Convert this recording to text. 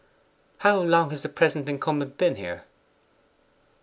'How long has the present incumbent been here?